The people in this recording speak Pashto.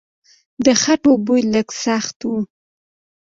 د خټو بوی لږ سخت و.